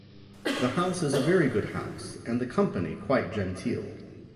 The house is a very good house, and the company quite genteel.